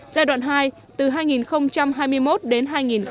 giai đoạn hai từ hai nghìn hai mươi một đến hai nghìn hai mươi năm